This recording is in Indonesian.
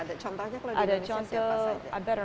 ada contohnya kalau di indonesia siapa saja